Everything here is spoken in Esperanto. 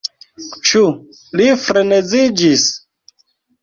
Ĉu li freneziĝis?